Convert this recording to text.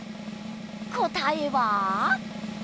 答えは。